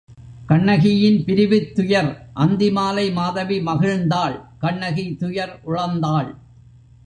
கண்ணகியின் பிரிவுத் துயர் அந்தி மாலை மாதவி மகிழ்ந்தாள் கண்ணகி துயர் உழந்தாள்.